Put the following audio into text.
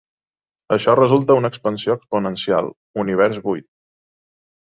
Això resulta en una expansió exponencial, Univers buit.